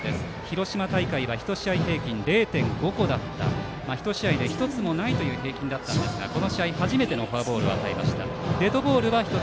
広島大会は１試合平均０．５個だった１試合で１つもないという平均でしたがこの試合、初めてのフォアボール。